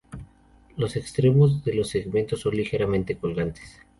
Los extremos de los segmentos son ligeramente colgantes.